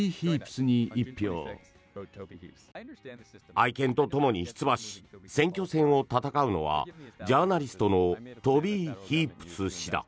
愛犬とともに出馬し選挙戦を戦うのはジャーナリストのトビー・ヒープス氏だ。